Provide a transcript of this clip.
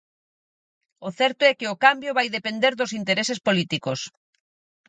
O certo e que o cambio vai depender dos intereses políticos.